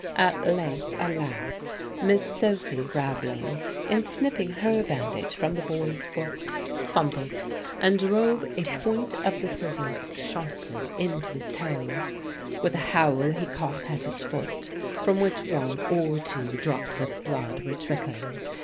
At length, alas! Miss Sophy Rabling, in snipping her bandage from the boy's foot, fumbled and drove a point of the scissors sharply into his toe. With a howl he caught at his foot, from which one or two drops of blood were trickling.